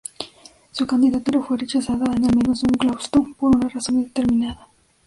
Su candidatura fue rechazada en al menos un claustro, por una razón indeterminada.